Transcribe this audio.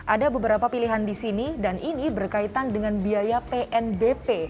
ada beberapa pilihan di sini dan ini berkaitan dengan biaya pnbp